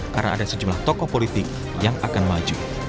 karena ada sejumlah tokoh politik yang akan maju